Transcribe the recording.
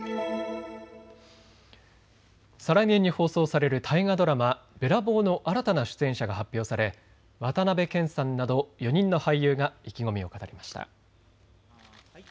再来年に放送される大河ドラマ、べらぼうの新たな出演者が発表され渡辺謙さんなど４人の俳優が意気込みを語りました。